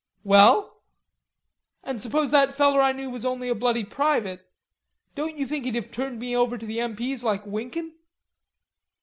"Well?" "An' suppose that feller knew that I was only a bloody private. Don't you think he'd have turned me over to the M. P.'s like winkin'?"